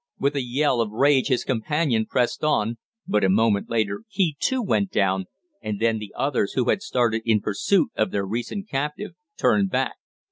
With a yell of rage his companion pressed on, but a moment later, he, too, went down, and then the others, who had started in pursuit of their recent captive, turned back.